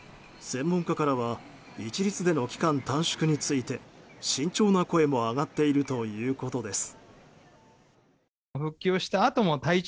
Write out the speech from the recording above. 専門家からは一律での期間短縮について慎重な声も上がっているということです。